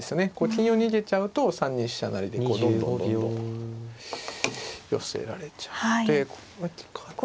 金を逃げちゃうと３二飛車成でこうどんどんどんどん寄せられちゃってここが利かないので。